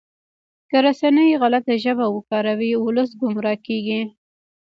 که رسنۍ غلطه ژبه وکاروي ولس ګمراه کیږي.